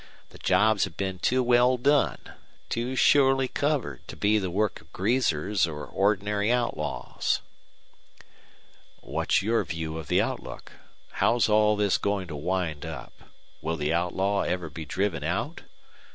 The jobs have been too well done, too surely covered, to be the work of greasers or ordinary outlaws." "What's your view of the outlook? How's all this going to wind up? Will the outlaw ever be driven out?"